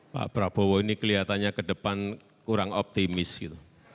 pak prabowo ini kelihatannya ke depan kurang optimis gitu